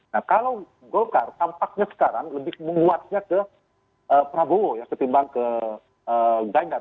nah kalau golkar tampaknya sekarang lebih menguatnya ke prabowo ya ketimbang ke ganjar